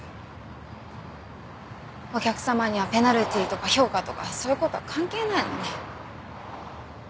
お客様にはペナルティーとか評価とかそういう事は関係ないのに。